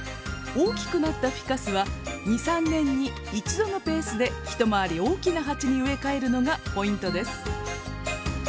大きくなったフィカスは２３年に１度のペースで一回り大きな鉢に植え替えるのがポイントです。